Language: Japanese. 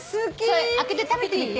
開けて食べてみて。